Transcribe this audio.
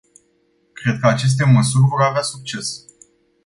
Cred că aceste măsuri vor avea succes.